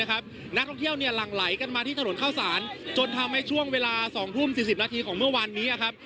มากกว่าเดิมมากเลยนะครับนักท่องเที่ยวเนี่ยหลั่งไหลกันมาที่ถนนเข้าสารจนทำให้ช่วงเวลาสองทุ่มสี่สิบนาทีของเมื่อวานนี้อะครับ